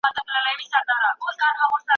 ما تاته د پرون د خوب